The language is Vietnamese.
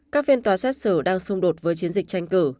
các phiên tòa xét xử đang xung đột với chiến dịch tranh cử